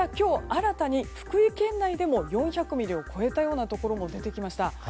新たに福井県内でも４００ミリを超えたところも出てきました。